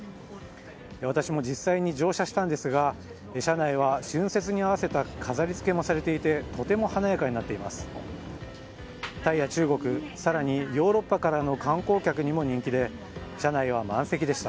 私も実際に乗車したんですが車内は春節に合わせた飾りつけもされていてとても華やかでした。